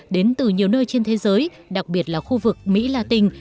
đến từ nhiều nơi trên thế giới đặc biệt là khu vực mỹ la tinh